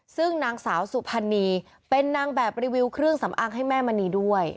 ซึ่งนางสาวสุพรรณีเป็นนางแบบรีวิวเครื่องสำอางให้แม่มณีด้วย